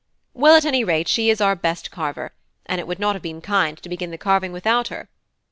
"Well, at any rate, she is our best carver, and it would not have been kind to begin the carving without her.